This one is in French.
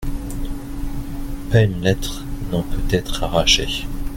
Pas une lettre n'en peut être arrachée.